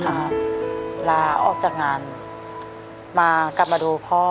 ค่ะลาออกจากงานมาเรียกพ่อ